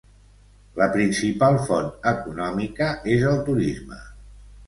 La principal font econòmica és el turisme.